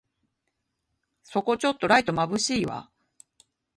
そこちょっとライトまぶしいわ